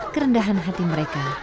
kerendahan hati mereka